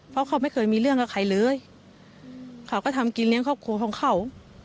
เพราะเขาไม่เคยมีเรื่องกับใครเลยเขาก็ทำกินเลี้ยงครอบครัวของเขา